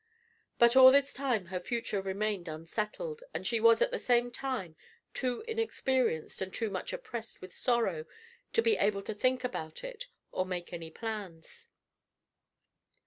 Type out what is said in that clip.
But all this time her future remained unsettled, and she was at the same time too inexperienced and too much oppressed with sorrow to be able to think about it or make any plans.